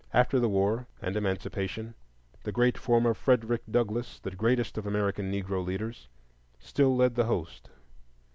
After the war and emancipation, the great form of Frederick Douglass, the greatest of American Negro leaders, still led the host.